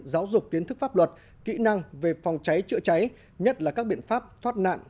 giáo dục kiến thức pháp luật kỹ năng về phòng cháy chữa cháy nhất là các biện pháp thoát nạn